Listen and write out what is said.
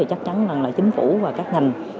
chắc chắn là chính phủ và các ngành